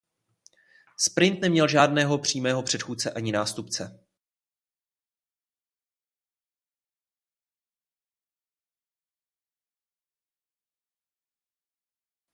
Sprint neměl žádného přímého předchůdce ani nástupce.